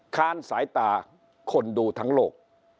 ค้านสายตาคนดูทั้งโลก